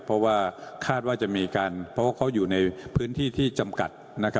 เพราะว่าคาดว่าจะมีการเพราะว่าเขาอยู่ในพื้นที่ที่จำกัด